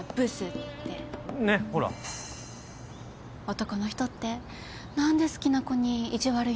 男の人って何で好きな子に意地悪言うんだろ。